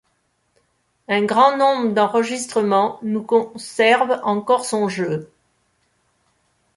Un grand nombre d'enregistrements nous conservent encore son jeu.